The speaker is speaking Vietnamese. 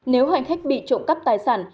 nếu hành khách bị trộm cắp tài sản